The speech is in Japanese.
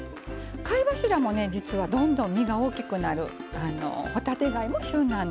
貝柱もね実はどんどん身が大きくなる帆立て貝も旬なんです。